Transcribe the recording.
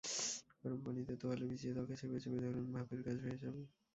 গরম পানিতে তোয়ালে ভিজিয়ে ত্বকে চেপে চেপে ধরুন, ভাপের কাজ হয়ে যাবে।